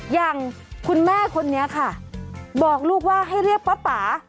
อย่างคุณแม่คนนี้ค่ะบอกลูกว่าให้เรียกป๊า